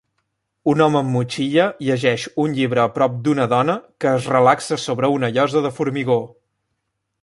Un home amb motxilla llegeix un llibre a prop d'una dona que es relaxa sobre una llosa de formigó.